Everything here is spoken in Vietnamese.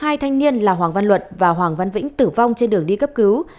hai thanh niên là hoàng văn luận và hoàng văn vĩnh tử vong trên đường đi cấp cứu